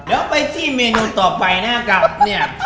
แล้วไปที่เมนูต่อไปนะกับเนี่ย